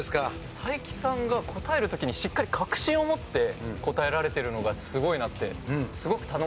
才木さんが答える時にしっかり確信を持って答えられてるのがすごいなって。